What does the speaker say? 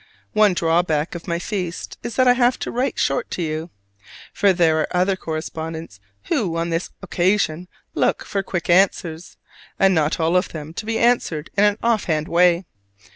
One drawback of my feast is that I have to write short to you; for there are other correspondents who on this occasion look for quick answers, and not all of them to be answered in an offhand way.